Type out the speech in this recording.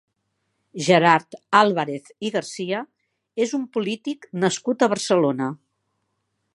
Gerard Álvarez i Garcia és un polític nascut a Barcelona.